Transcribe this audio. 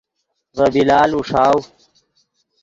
ڤے بلال اوݰاؤ